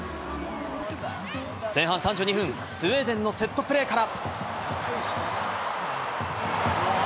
前半３２分、スウェーデンのセットプレーから。